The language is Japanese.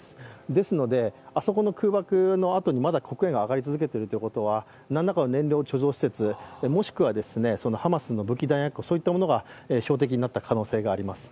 ですので、あそこの空爆のあとにまだ黒煙が上がり続けているということは何らかの燃料貯蔵施設、もしくはハマスの武器弾薬庫、そういったものが標的になった可能性があります。